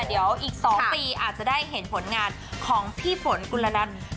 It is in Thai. อีกสองปีอาจจะได้เห็นผลงานของพี่ฝนกุญลนันทรม